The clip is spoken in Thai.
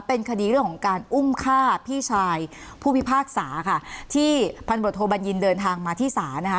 เป็นคดีเรื่องของการอุ้มฆ่าพี่ชายผู้พิพากษาค่ะที่พันตรวจโทบัญญินเดินทางมาที่ศาลนะคะ